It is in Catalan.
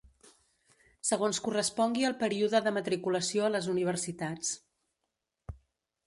Segons correspongui al període de matriculació a les universitats.